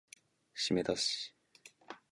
しめだし